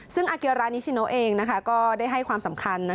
ซึ่งอาเกรานิชิโนเองก็ได้ให้ความสำคัญ